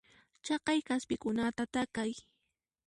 Chaqay k'aspikunata takay.